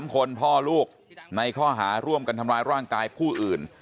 ๓คนพ่อลูกในข้อหาร่วมกันทำร้ายร่างกายผู้อื่น